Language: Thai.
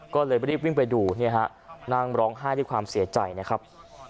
ก็เลยรีบวิ่งไปดูเนี่ยฮะนั่งร้องไห้ด้วยความเสียใจนะครับ